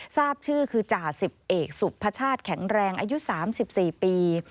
ทราบชื่อคือจ่าสิบเอกสุพชาติแข็งแรงอายุ๓๔ปี